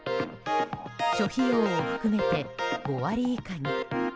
諸費用を含めて５割以下に。